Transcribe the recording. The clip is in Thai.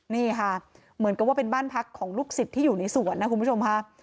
นี่ค่ะเหมือนกับว่าเป็นบ้านพักของลูกศิษย์ที่อยู่ในสวนนะคุณผู้ชมค่ะ